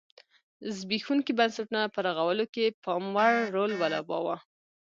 زبېښونکي بنسټونه په رغولو کې پاموړ رول ولوباوه.